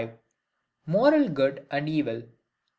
Moral Good and Evil.